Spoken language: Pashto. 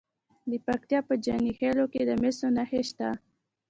د پکتیا په جاني خیل کې د مسو نښې شته.